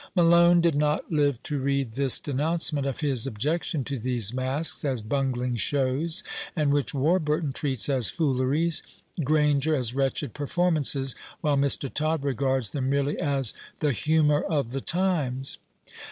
Malone did not live to read this denouncement of his objection to these Masques, as "bungling shows;" and which Warburton treats as "fooleries;" Granger as "wretched performances;" while Mr. Todd regards them merely as "the humour of the times!"